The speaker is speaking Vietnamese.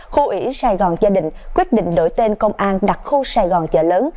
khu ủy sài gòn gia đình quyết định đổi tên công an đặc khu sài gòn chợ lớn